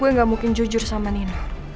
gue gak mungkin jujur sama nino